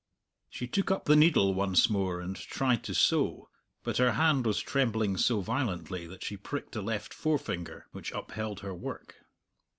She took up the needle once more and tried to sew; but her hand was trembling so violently that she pricked the left forefinger which upheld her work.